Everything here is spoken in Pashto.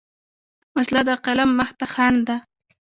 وسله د قلم مخ ته خنډ ده